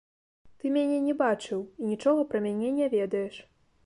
Ты мяне не бачыў і нічога пра мяне не ведаеш.